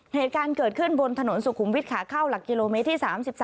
เหตุการณ์เกิดขึ้นบนถนนสุขุมวิทย์ขาเข้าหลักกิโลเมตรที่๓๓